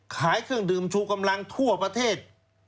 ขายเครื่องดื่มชูกำลังทั่วประเทศ